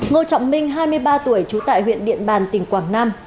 ngô trọng minh hai mươi ba tuổi trú tại huyện điện bàn tỉnh quảng nam